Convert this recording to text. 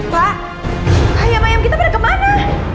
pak ayam ayam kita pada kemana